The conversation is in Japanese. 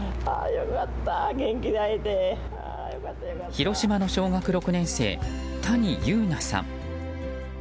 広島の小学６年生谷侑奈さん。